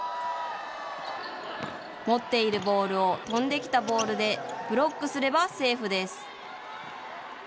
持っているボールを飛んできたボールでブロックすればセーフです。